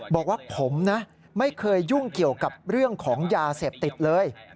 บอกว่าผมนะไม่เคยยุ่งเกี่ยวกับเรื่องของยาเสพติดเลย